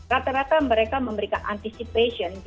rata rata mereka memberikan anticipation